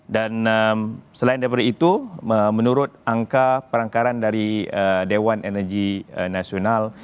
dan selain daripada itu menurut angka perangkaran dari dewan energi nasional